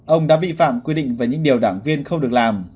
ông đã vi phạm quy định về những điều đảng viên không được làm